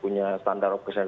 punya standar of geser